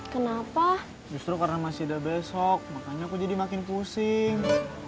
kenapa justru karena masih ada besok makanya aku jadi makin pusing